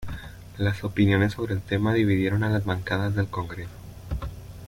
Las opiniones sobre el tema dividieron a las bancadas del Congreso.